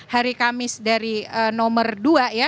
hari kamis dari nomor dua ya